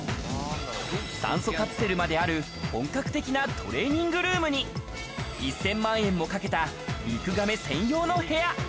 酸素カプセルまである本格的なトレーニングルームに１０００万円もかけたリクガメ専用の部屋。